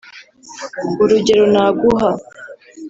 urugero naguha